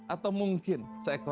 atau mungkin seekor kecoa